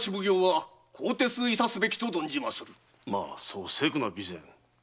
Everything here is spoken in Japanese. そう急くな備前。